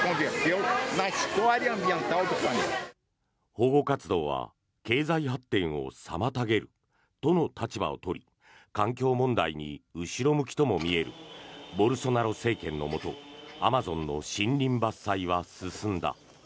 保護活動は経済発展を妨げるとの立場を取り環境問題に後ろ向きとも見えるボルソナロ政権のもとアマゾンの森林伐採は進んだ。